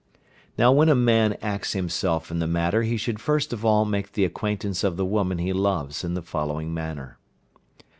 Now when a man acts himself in the matter he should first of all make the acquaintance of the woman he loves in the following manner.